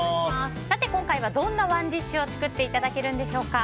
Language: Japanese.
今回はどんなＯｎｅＤｉｓｈを作っていただけるのでしょうか。